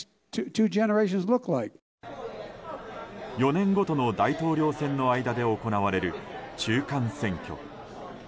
４年ごとの大統領選の間で行われる中間選挙。